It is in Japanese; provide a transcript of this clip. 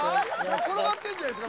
転がってるんじゃないですか？